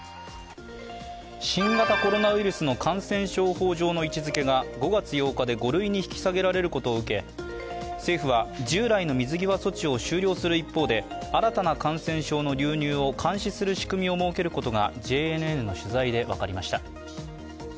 新型コロナウイルスの感染症法上の位置づけが来月８日で５類に引き下げられることを受け政府は従来の水際措置を終了する一方で新たな感染症の流入を監視する仕組みを設けることがＪＮＮの取材で分かりました。